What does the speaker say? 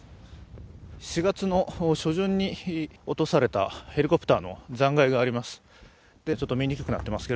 ４月の初旬に落とされたヘリコプターの残骸があります。